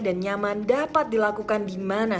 dan nyaman dapat dilakukan dimana